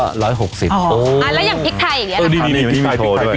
แล้วยังพริกไทยอย่างเนี่ย